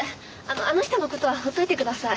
あの人の事は放っといてください。